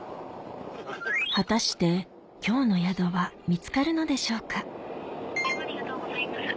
果たして今日の宿は見つかるのでしょうか？